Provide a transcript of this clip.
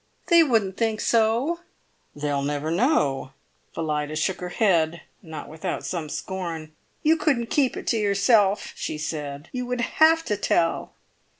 "They wouldn't think so!" "They'll never know." Phillida shook her head, and not without some scorn. "You couldn't keep it to yourself," she said. "You would have to tell."